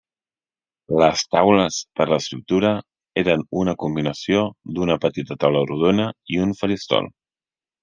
Les taules per l’escriptura eren una combinació d’una petita taula rodona i un faristol.